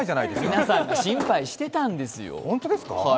皆さん心配してたんですよ。